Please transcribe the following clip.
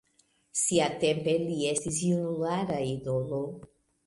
Siatempe li estis junulara idolo.